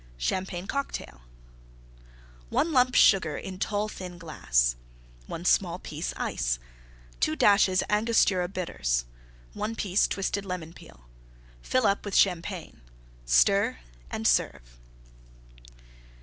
CHAMPAGNE COCKTAIL 1 lump Sugar in tall, thin glass. 1 small piece Ice. 2 dashes Angostura Bitters. 1 piece twisted Lemon Peel. Fill up with Champagne. Stir and serve.